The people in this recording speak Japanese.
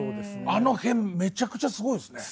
あの辺めちゃくちゃすごいですね。